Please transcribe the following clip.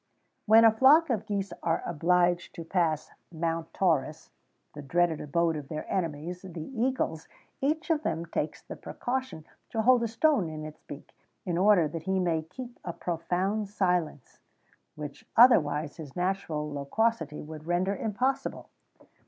When a flock of geese are obliged to pass Mount Taurus the dreaded abode of their enemies, the eagles each of them takes the precaution to hold a stone in its beak, in order that he may keep a profound silence, which, otherwise, his natural loquacity would render impossible.